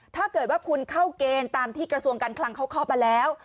ถ้าเกิดว่าคุณเข้าเกณฑ์ตามที่กระทรวงการคลังเขาครอบมาแล้ว